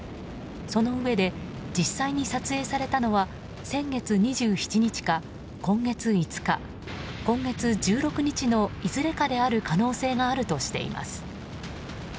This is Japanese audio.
そのうえで実際に撮影されたのは先月２７日か今月５日、今月１６日のいずれかである可能性があるとしています。